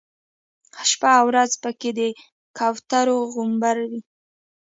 شپه او ورځ په کې د کوترو غومبر وي.